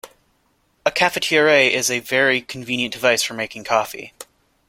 A cafetiere is a very convenient device for making coffee